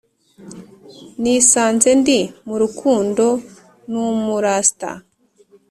nisanze ndi murukundo numu rasta